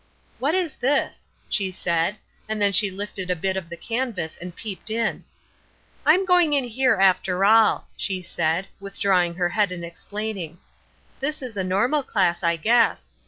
"What is this?" she said, and then she lifted a bit of the canvas and peeped in. "I'm going in here, after all," she said, withdrawing her head and explaining. "This is a normal class, I guess.